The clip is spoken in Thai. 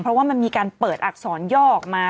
เพราะว่ามันมีการเปิดอักษรย่อออกมา